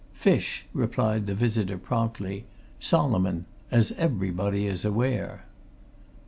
"Fish," replied the visitor, promptly. "Solomon. As everybody is aware."